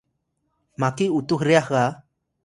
maki utux ryax ga